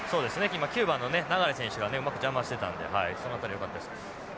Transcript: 今９番の流選手がうまく邪魔してたんでその辺りよかったです。